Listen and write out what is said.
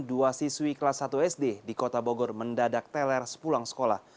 dua siswi kelas satu sd di kota bogor mendadak teler sepulang sekolah